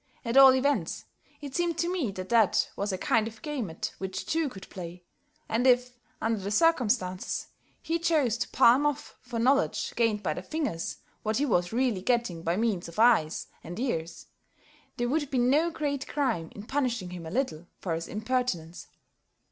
At all events, it seemed to me that that was a kind of game at which two could play, and if, under the circumstances, he chose to palm off for knowledge gained by the fingers, what he was really getting by means of his eyes and ears, there would be no great crime in punishing him a little for his impertinence.